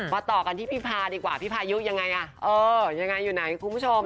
มาต่อกันที่พี่พายุดีกว่าพี่พายุอย่างไรอยู่ไหนคุณผู้ชม